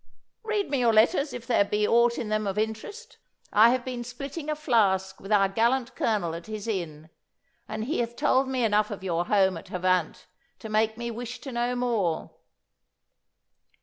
Read me your letters if there be aught in them of interest. I have been splitting a flask with our gallant Colonel at his inn, and he hath told me enough of your home at Havant to make me wish to know more.